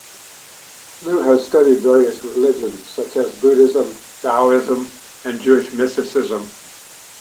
Liu has studied various religions, such as Buddhism, Taoism and Jewish mysticism.